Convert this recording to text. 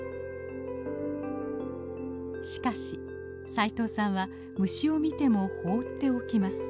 しかし斉藤さんは虫を見ても放っておきます。